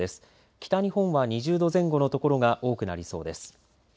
北日本は２０度前後の所が多くなりそうです。